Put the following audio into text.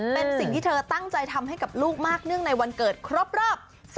เป็นสิ่งที่เธอตั้งใจทำให้กับลูกมากเนื่องในวันเกิดครบรอบ